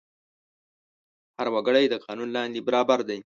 هر وګړی د قانون لاندې برابر دی.